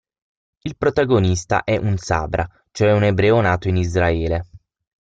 Il protagonista è un Sabra, cioè un ebreo nato in Israele.